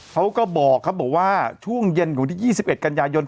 เขาก็บอกครับบอกว่าช่วงเย็นของวันที่๒๑กันยายน